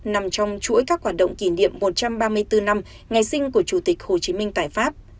nằm trong chuỗi các hoạt động kỷ niệm một trăm ba mươi bốn năm ngày sinh của chủ tịch hồ chí minh tại pháp